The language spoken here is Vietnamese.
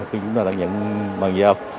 chúng ta là nhận bằng giao